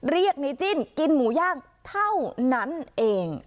เรียกในจิ้นกินหมูย่างเท่านั้นเอง